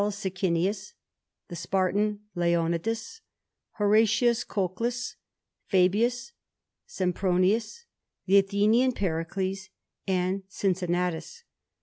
Sicinius, the Spartan Leonidas, Horatius Cocles, Fabius, Sempronius, the Athenian Pericles, and Cincinnatus.